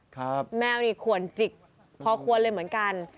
แมวนี่ควรจิกพอควรเลยเหมือนกัน